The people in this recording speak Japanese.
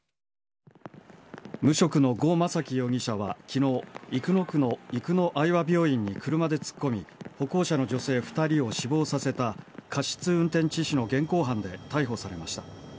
無職のゴ・マサキ容疑者は昨日生野区の生野愛和病院に車で突っ込み歩行者の女性２人を死亡させた過失運転致死の現行犯で逮捕されました。